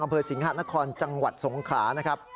อำเภอสิงหะนครจังหวัดสงขลานะครับ